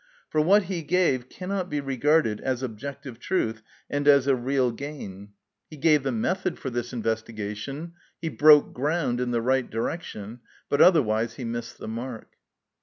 For what he gave cannot be regarded as objective truth and as a real gain. He gave the method for this investigation, he broke ground in the right direction, but otherwise he missed the mark.